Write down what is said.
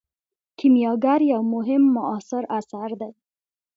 کیمیاګر یو مهم معاصر اثر دی.